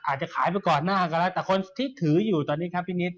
อาจจะขายมาก่อนหน้าก็แล้วแต่คนที่ถืออยู่ตอนนี้ครับพี่นิด